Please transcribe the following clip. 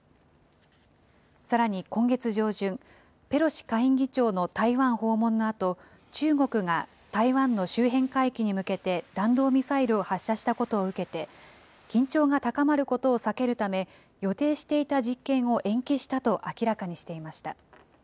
さらに今月上旬、ペロシ下院議長の台湾訪問のあと、中国が台湾の周辺海域に向けて弾道ミサイルを発射したことを受けて、緊張が高まることを避けるため、予定していた実験を延期したと明らかにしていました。